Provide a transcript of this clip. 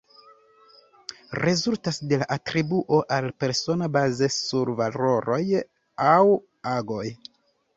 Rezultas de la atribuo al la persono baze sur valoroj aŭ agoj.